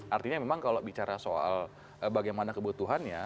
artinya memang kalau bicara soal bagaimana kebutuhannya